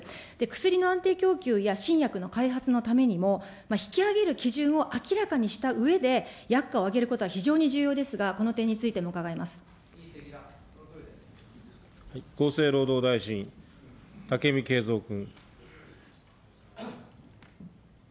薬の安定供給や、新薬の開発のためにも、引き上げる基準を明らかにしたうえで、薬価を上げることは非常に重要ですが、この点につ厚生労働大臣、武見敬三君。